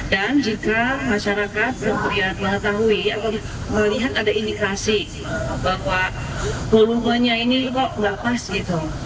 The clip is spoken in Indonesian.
dan jika masyarakat belum pernah mengetahui atau melihat ada indikasi bahwa volumenya ini kok tidak pas gitu